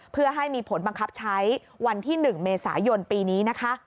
เพื่อให้มีผลบังคับใช้วันที่๑เมษายนปีนี้นะคะ